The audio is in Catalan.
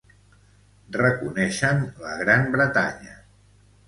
Reconeixen la Gran Bretanya.